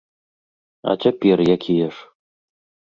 А цяпер якія ж?